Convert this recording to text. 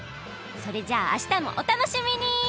それじゃああしたもお楽しみに！